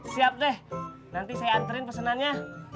siap deh nanti saya anterin pesanannya